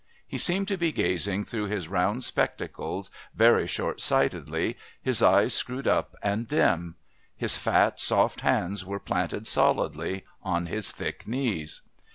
He seemed to be gazing through his round spectacles very short sightedly, his eyes screwed up and dim. His fat soft hands were planted solidly on his thick knees.